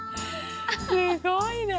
すごいね。